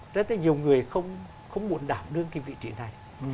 rất là nhiều người không muốn đảm đương cái vị trí này